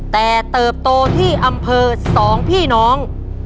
แต่เติบโตที่อำเภอ๒พี่น้อง